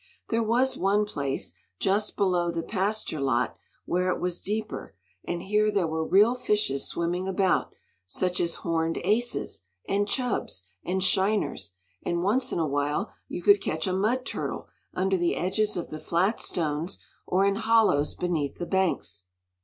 There was one place, just below the pasture lot, where it was deeper; and here there were real fishes swimming about, such as "horned aces" and "chubs" and "shiners"; and once in a while you could catch a mud turtle under the edges of the flat stones or in hollows beneath the banks.